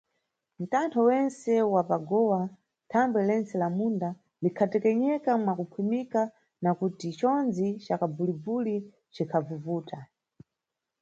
Ntantho wentse wa pa gowa, thambwe lentse lammunda likhatekenyeka mwakukhwimika, nakuti conzi ca kabvumvuli cikhavuvuta.